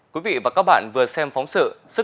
quý vị và các bạn vừa xem phóng sự